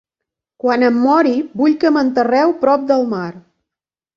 Quan em mori, vull que m'enterreu prop del mar.